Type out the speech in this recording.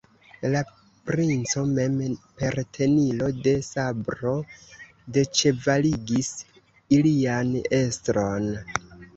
La princo mem per tenilo de sabro deĉevaligis ilian estron.